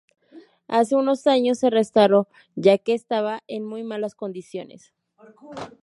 Hace unos años se restauró ya que estaba en muy malas condiciones.